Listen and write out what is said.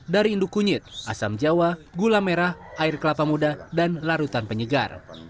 dari induk kunyit asam jawa gula merah air kelapa muda dan larutan penyegar